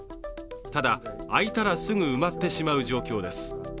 ただ、空いたらすぐ埋まってしまう状況です。